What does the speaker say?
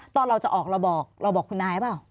ตอนเราจะออกเราบอกเราบอกคุณนายหรือเปล่า